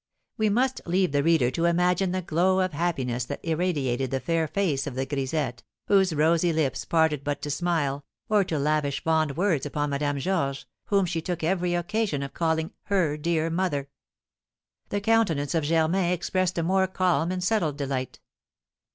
We must leave the reader to imagine the glow of happiness that irradiated the fair face of the grisette, whose rosy lips parted but to smile, or to lavish fond words upon Madame Georges, whom she took every occasion of calling "her dear mother." The countenance of Germain expressed a more calm and settled delight.